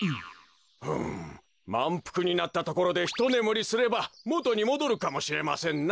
まんぷくになったところでひとねむりすればもとにもどるかもしれませんな。